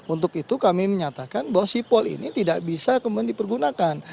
untuk itu kami menyatakan bahwa sipol ini tidak bisa kemudian dipergunakan